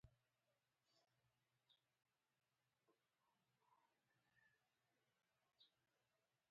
زه غلی وم او په ژورو فکرونو کې ډوب شوی وم